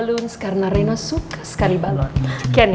nanti kita g marginer ya seneng dua ya re dois ini